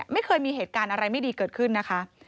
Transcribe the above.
ไม่เคยมีเหตุการณ์อะไรไม่ดีเกิดขึ้นนะคะ